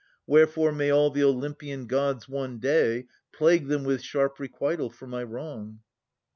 Wherefore may all the Ol3rmpian gods, one day, Plague them with sharp requital for my wrong